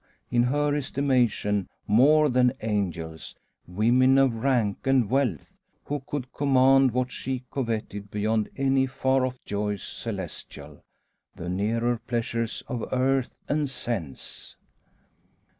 in her estimation, more than angels women of rank and wealth, who could command what she coveted beyond any far off joys celestial the nearer pleasures of earth and sense.